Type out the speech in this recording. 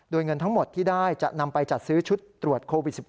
โดยเงินทั้งหมดที่ได้จะนำไปจัดซื้อชุดตรวจโควิด๑๙